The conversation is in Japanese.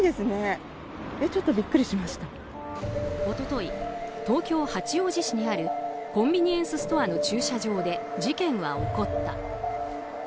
一昨日、東京・八王子市にあるコンビニエンスストアの駐車場で事件は起こった。